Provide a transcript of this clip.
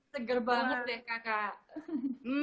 seger banget deh kakak